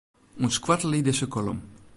Untskoattelje dizze kolom.